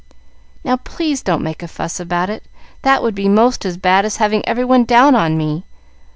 "Now, please, don't make a fuss about it; that would be most as bad as having every one down on me.